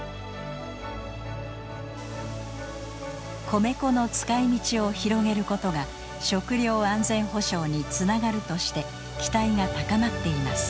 米粉の使いみちを広げることが食料安全保障につながるとして期待が高まっています。